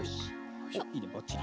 おっいいねばっちり！